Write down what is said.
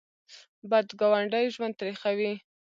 بد ګاونډی ژوند تریخوي